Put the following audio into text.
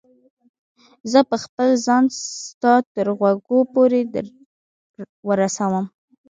زه به خپل ځان ستا تر غوږو پورې در ورسوم.